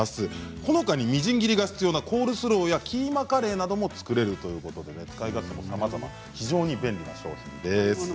このほかに、みじん切りが必要なコールスローやキーマカレーなども作れるということで使い方さまざま便利な商品です。